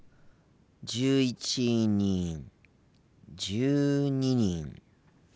「１１人」「１２人」。